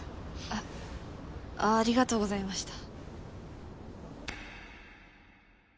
あありがとうございました。